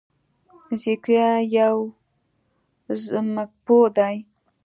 ذکریا یو ځمکپوه دی.